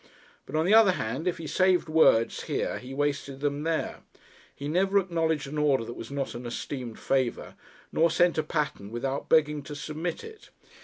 But, on the other hand, if he saved words here, he wasted them there: he never acknowledged an order that was not an esteemed favour, nor sent a pattern without begging to submit it.